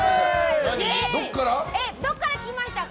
どこから来ましたか？